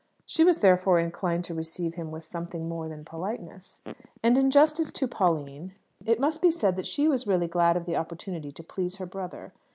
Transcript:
She was therefore inclined to receive him with something more than politeness. And, in justice to Pauline, it must be said that she was really glad of the opportunity to please her brother.